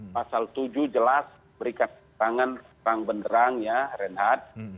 pasal tujuh jelas berikan tangan rang rang ya renhad